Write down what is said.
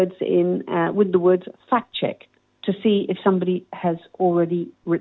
dan mencari beberapa kata kata yang benar dengan kata kata baru